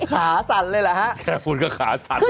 ขาสั่นเลยเหรอฮะแค่คุณก็ขาสั่น